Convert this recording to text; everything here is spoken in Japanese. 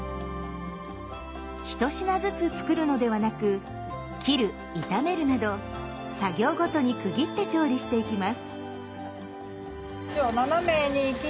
一品ずつ作るのではなく「切る」「炒める」など作業ごとに区切って調理していきます。